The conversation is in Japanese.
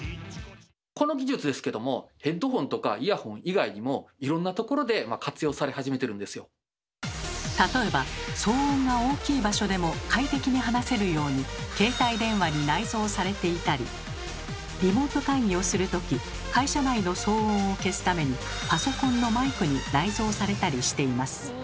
この技術ですけども例えば騒音が大きい場所でも快適に話せるように携帯電話に内蔵されていたりリモート会議をするとき会社内の騒音を消すためにパソコンのマイクに内蔵されたりしています。